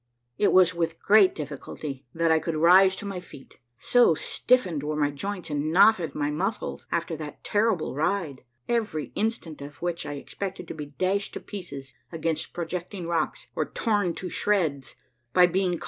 It was with great difficulty that I could rise to my feet, so stiffened were my joints and knotted my muscles after that ter rible ride, every instant of which I expected to be dashed to pieces against projecting rocks, or torn to shreds by being caught THE TROPICS OF THE UNDER WORLD t »>•'?